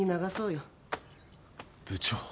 部長。